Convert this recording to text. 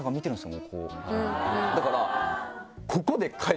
だから。